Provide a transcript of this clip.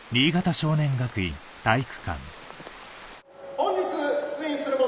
・本日出院する者